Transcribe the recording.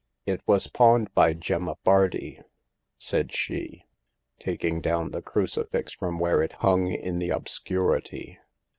" It was pawned by Gemma Bardi," said she, taking down the crucifix from where it hung in the obscurity.